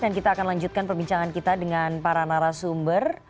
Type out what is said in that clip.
dan kita akan lanjutkan perbincangan kita dengan para narasumber